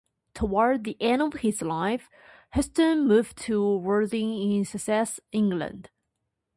Towards the end of his life, Hudson moved to Worthing in Sussex, England.